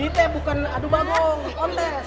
ini bukan adu bagong kontes